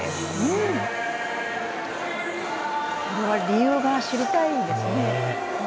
理由が知りたいですね。